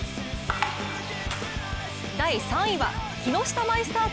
第３位は木下マイスター